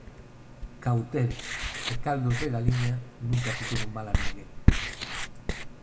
Cautela e caldos de galiña nunca fixeron mal a ninguén